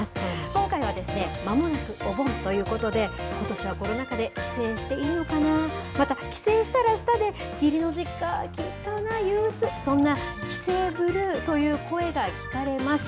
今回はまもなくお盆ということで、ことしはコロナ禍で帰省していいのかな、また帰省したらしたで、義理の実家、気遣うな、憂うつ、そんな帰省ブルーという声が聞かれます。